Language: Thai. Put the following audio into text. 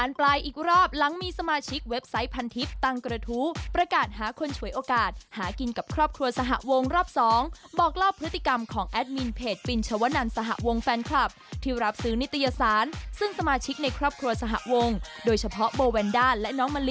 รายละเอียดจะเป็นอย่างไรไปติดตามเรื่องนี้กันค่ะ